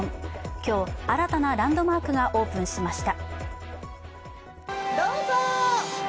今日、新たなランドマークがオープンしました。